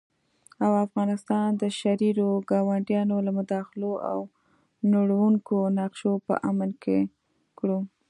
او افغانستان د شريرو ګاونډيو له مداخلو او نړوونکو نقشو په امن کې کړو